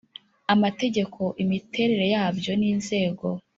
amategeko imiterere yabyo n inzego